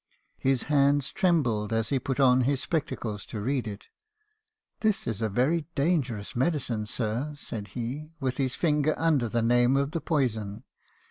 His hands trembled as he put on his spectacles to read it. " 'This is a very dangerous medicine , sir,' said he , with his finger under the name of the poison.